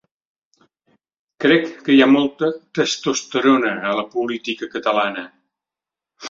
Crec que hi ha molta testosterona a la política catalana.